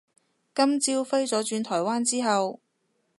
今朝飛咗轉台灣之後